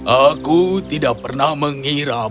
aku tidak pernah mengira